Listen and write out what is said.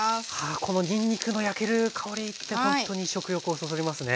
このにんにくの焼ける香りってほんとに食欲をそそりますね。